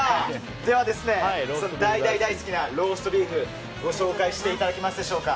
では、大、大、大好きなローストビーフご紹介していただけますでしょうか。